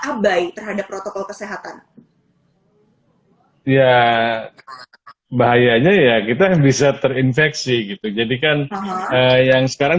abai terhadap protokol kesehatan ya bahayanya ya kita bisa terinfeksi gitu jadi kan yang sekarang